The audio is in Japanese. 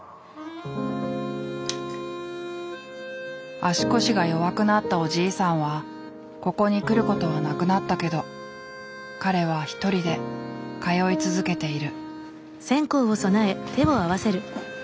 足腰が弱くなったおじいさんはここに来ることはなくなったけど彼は一人で通い続けている。